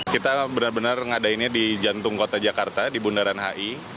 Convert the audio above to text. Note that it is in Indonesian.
kita benar benar ngadainnya di jantung kota jakarta di bundaran hi